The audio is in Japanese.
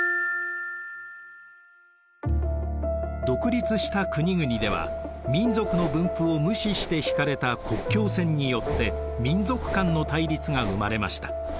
独立した国々では民族の分布を無視して引かれた国境線によって民族間の対立が生まれました。